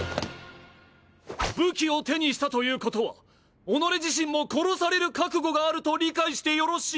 武器を手にしたということは己自身も殺される覚悟があると理解してよろしいか？